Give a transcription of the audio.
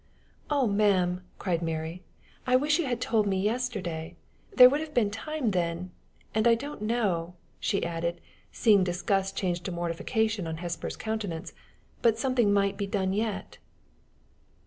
"O ma'am!" cried Mary, "I wish you had told me yesterday. There would have been time then. And I don't know," she added, seeing disgust change to mortification on Hesper's countenance, "but something might be done yet."